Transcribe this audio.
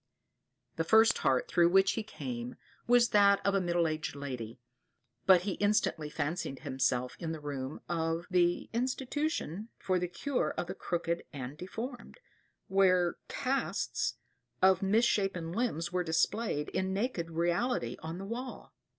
The first heart through which he came, was that of a middle aged lady, but he instantly fancied himself in the room of the "Institution for the cure of the crooked and deformed," where casts of mis shapen limbs are displayed in naked reality on the wall.